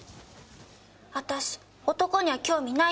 私男には興味ないんです。